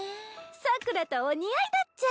サクラとお似合いだっちゃ。